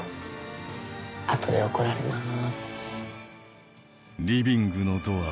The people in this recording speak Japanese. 後で怒られます。